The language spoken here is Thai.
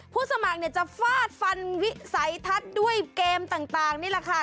ผู้สมัครเนี่ยจะฟาดฟันวิสัยทัศน์ด้วยเกมต่างนี่แหละค่ะ